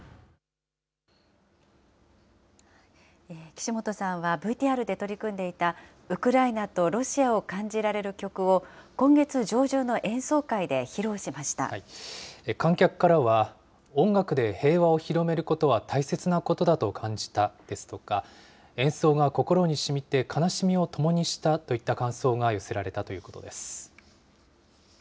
岸本さんは、ＶＴＲで取り組んでいた、ウクライナとロシアを感じられる曲を、観客からは、音楽で平和を広めることは大切なことだと感じたですとか、演奏が心にしみて悲しみを共にしたといった感想が寄せられたということです。